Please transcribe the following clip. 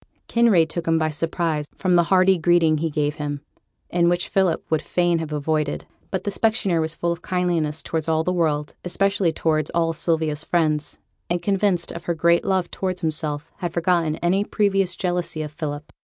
Kinraid took him by surprise from the hearty greeting he gave him, and which Philip would fain have avoided. But the specksioneer was full of kindliness towards all the world, especially towards all Sylvia's friends, and, convinced of her great love towards himself, had forgotten any previous jealousy of Philip.